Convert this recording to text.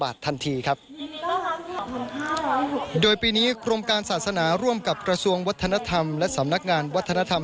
บาททันทีครับโดยปีนี้โครงการศาสนาร่วมกับกระทรวงวัฒนธรรมและสำนักงานวัฒนธรรม